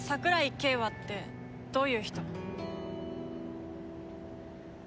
景和ってどういう人？